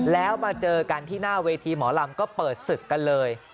แล้วมาเจอกันที่หน้าเวทีหมอลำก็เปิดศึกกันเลย